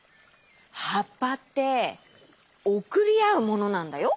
はっぱっておくりあうものなんだよ！